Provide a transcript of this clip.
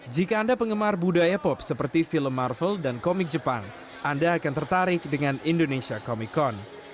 jika anda penggemar budaya pop seperti film marvel dan komik jepang anda akan tertarik dengan indonesia comic con